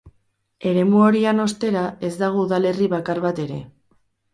Eremu horian, ostera, ez dago udalerri bakar bat ere.